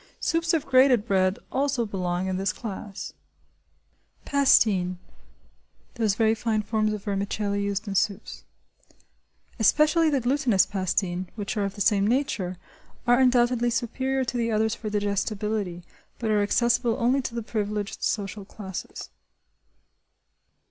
Soups of grated bread also belong in this class. Pastine, 8 especially the glutinous pastine, which are of the same nature, are undoubtedly superior to the others for digestibility, but are accessible only to the privileged social classes.